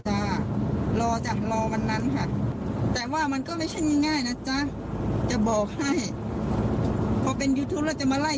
และรอจากหรอวันนั้นแต่ว่ามันก็ไม่ใช่ง่ายนะจะบอกให้เราเป็นจุดจะมาไล่